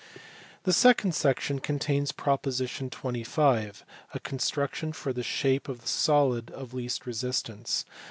The second section contains (prop. 25) a construction for the shape of the solid of least resistance.